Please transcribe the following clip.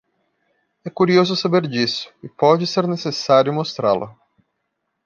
É curioso saber disso, e pode ser necessário mostrá-lo.